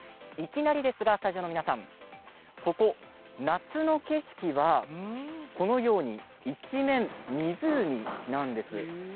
いきなりですがスタジオの皆さん、ここ夏の景色は、このように一面湖なんです。